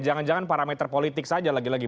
jangan jangan parameter politik saja lagi lagi